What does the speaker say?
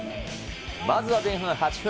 まずは前半８分。